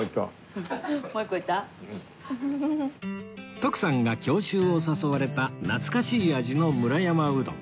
徳さんが郷愁を誘われた懐かしい味の村山うどん